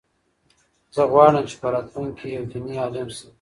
زه غواړم چې په راتلونکي کې یو دیني عالم شم.